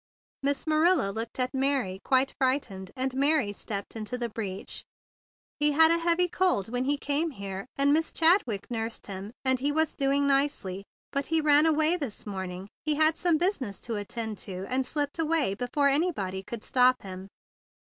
Miss Marilla looked at Mary quite frightened, and Mary stepped into the breach. "He had a heavy cold when he came here, and Miss Chadwick nursed him, and he was doing nicely; but he ran away this morning. He had some busi¬ ness to attend to, and slipped away be¬ fore anybody could stop him.